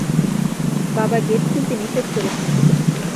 বাবা গেট খুলতে নিষেধ করেছেন।